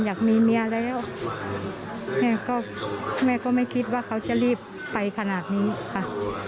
อยากมีเมียแล้วแม่ก็แม่ก็ไม่คิดว่าเขาจะรีบไปขนาดนี้ค่ะ